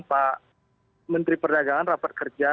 pak menteri perdagangan rapat kerja